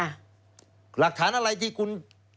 หลักฐานอะไรที่คุณ